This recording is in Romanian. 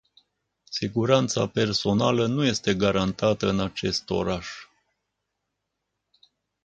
Siguranța personală nu este garantată în acest oraș...